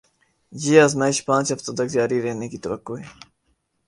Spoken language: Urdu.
یہ آزمائش پانچ ہفتوں تک جاری رہنے کی توقع ہے